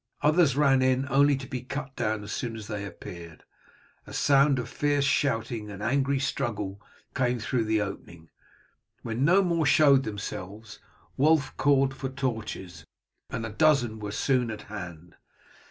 Others ran in only to be cut down as soon as they appeared; a sound of fierce shouting and angry struggle came through the opening. When no more showed themselves, Wulf called for torches, and a dozen were soon at hand.